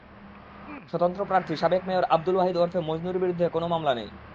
স্বতন্ত্র প্রার্থী সাবেক মেয়র আবদুল ওয়াহিদ ওরফে মজনুর বিরুদ্ধে কোনো মামলা নেই।